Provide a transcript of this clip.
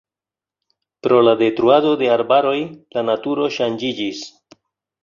Pro la detruado de arbaroj la naturo ŝanĝiĝis.